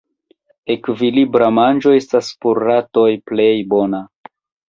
Ekvilibra manĝo estas por ratoj plej bona.